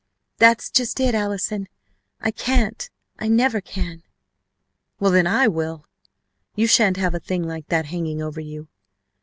"That's just it, Allison, I can't. I never can " "Well, then I will! You shan't have a thing like that hanging over you